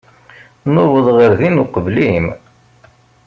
Nuweḍ ɣer din uqbel-im.